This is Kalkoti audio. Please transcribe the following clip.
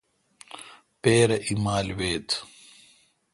پپرہ ایمال ویت۔